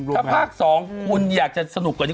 ถ้าภาค๒คุณอยากจะสนุกกว่านี้